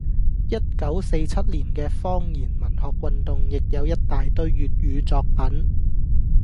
一九四七年嘅方言文學運動亦有一大堆粵語作品